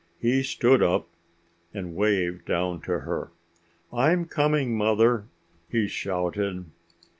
He stood up, and waved down to her. "I'm coming, Mother," he shouted.